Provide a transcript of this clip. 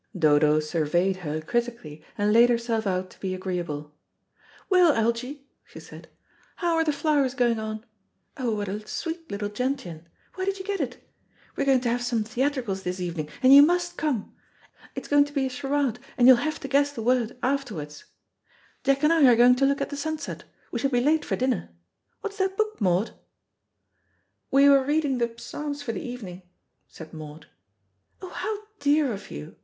Dodo surveyed her critically, and laid herself out to be agreeable. "Well, Algy," she said, "how are the flowers going on? Oh, what a sweet little gentian. Where did you get it? We're going to have some theatricals this evening, and you must come. It's going to be a charade, and you'll have to guess the word afterwards. Jack and I are going to look at the sunset. We shall be late for dinner. What's that book, Maud?" "We were reading the Psalms for the evening," said Maud. "Oh, how dear of you!"